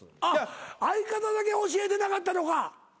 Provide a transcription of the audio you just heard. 相方だけ教えてなかったのか。